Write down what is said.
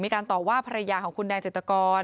มีการตอบว่าภรรยาของคุณแดงจิตกร